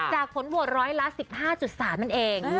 ผลโหวตร้อยละ๑๕๓นั่นเอง